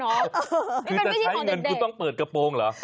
นี่เป็นวิธีของเด็กคือจะใช้เงินคุณต้องเปิดกระโปรงเหรอ